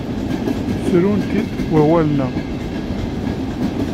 Ssrun-tt-id wawalen-a.